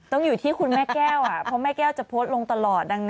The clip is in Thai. อยู่ที่คุณแม่แก้วเพราะแม่แก้วจะโพสต์ลงตลอด